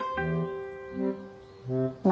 何？